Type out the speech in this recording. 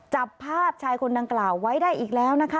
จับภาพชายคนดังกล่าวไว้ได้อีกแล้วนะคะ